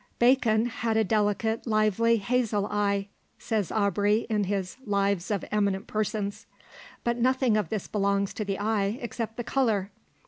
"Bacon had a delicate, lively, hazel eye," says Aubrey in his "Lives of Eminent Persons." But nothing of this belongs to the eye except the colour.